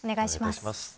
お願いします。